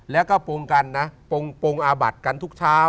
แล้วก็โปรงกันนะปงอาบัติกันทุกเช้า